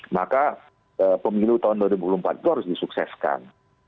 maka pemilu tahun dua ribu empat itu harus disukseskan